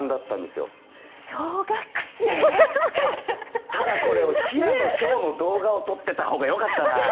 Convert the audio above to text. ただこれ、平野紫耀の動画を撮ってた方が良かったな。